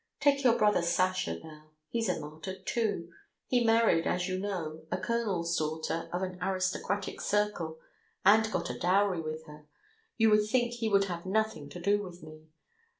Take your brother Sasha now, he's a martyr too! He married, as you know, a colonel's daughter of an aristocratic circle, and got a dowry with her. ... You would think he would have nothing to do with me.